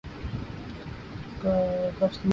قفس میں ایجادفیض، گلشن میں وہی طرز بیاں ٹھہری ہے۔